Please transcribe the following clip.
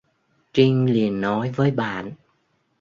Trinh liền nói với bạn